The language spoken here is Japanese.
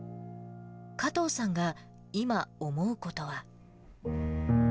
加藤さんが今、思うことは。